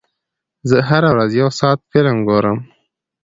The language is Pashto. زه هره ورځ یو ساعت فلم ګورم.